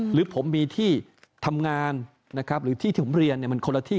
หรือผมมีที่ทำงานนะครับหรือที่ที่ผมเรียนมันคนละที่